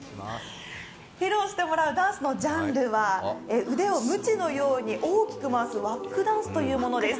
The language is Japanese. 披露してもらうダンスのジャンルは腕をむちのように大きく回すワックダンスというものです。